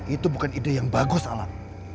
itu bukan ide yang bagus alat